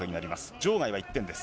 場外は１点です。